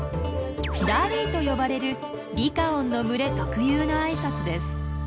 ラリーと呼ばれるリカオンの群れ特有のあいさつです。